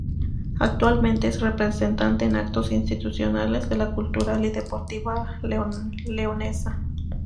Actualmente es representante en actos institucionales de la Cultural y Deportiva Leonesa.